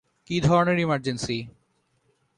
কী ধরণের ইমার্জেন্সি?